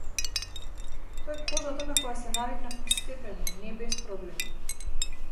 Тоа е кожата на која се навикнував постепено, не без проблеми.